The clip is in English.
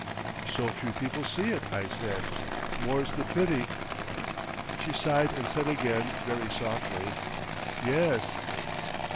"So few people see it," I said; "more's the pity!" She sighed and said again very softly, "Yes."...